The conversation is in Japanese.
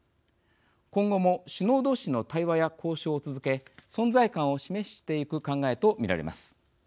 今後も、首脳同士の対話や交渉を続け存在感を示していく考えと見られます。